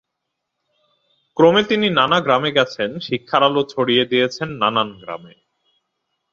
ক্রমে তিনি নানা গ্রামে গেছেন, শিক্ষার আলো ছড়িয়ে দিয়েছেন নানান গ্রামে।